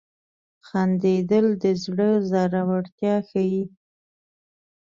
• خندېدل د زړه زړورتیا ښيي.